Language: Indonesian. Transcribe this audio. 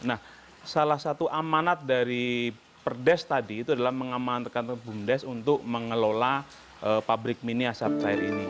nah salah satu amanat dari perdes tadi itu adalah mengamankan bumdes untuk mengelola pabrik mini asap cair ini